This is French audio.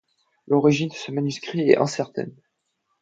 L'origine de ce manuscrit est incertaine.